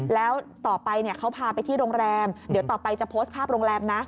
แล้วต่อไปเขาพาไปที่โรงแรมเดี๋ยวต่อไปจะโพสต์ภาพโรงแรมนะ